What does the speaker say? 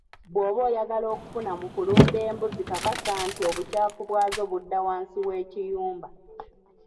Bw'oba oyagala okufuna mu kulunda embuzi kakasa nti obukyafu bwazo budda wansi w'ekiyumba.